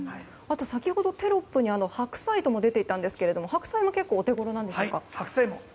先ほどテロップに白菜も出ていたんですが白菜も結構お手頃なんですか？